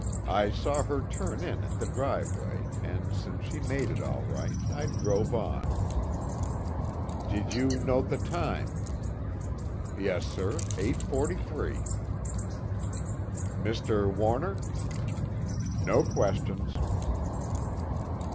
I saw her turn in at the driveway, and since she made it all right, I drove on." "Did you note the time?" "Yes, sir: 8:43." "Mr. Warner?" "No questions."